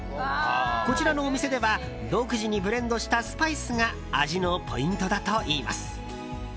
こちらのお店では独自にブレンドしたスパイスが味のポイントだといいます。